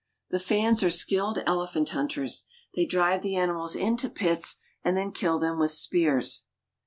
The Fans are skilled ele phant hunters. They drive the animals into pits and then kill them with spears.